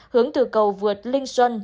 hướng từ cầu vượt linh xuân